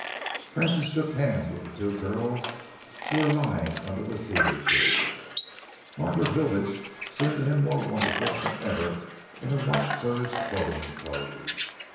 Francis shook hands with the two girls who were lying under the cedar tree. Margaret Hilditch seemed to him more wonderful than ever in her white serge boating clothes.